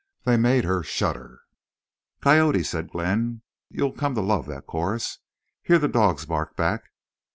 They made her shudder. "Coyotes," said Glenn. "You'll come to love that chorus. Hear the dogs bark back."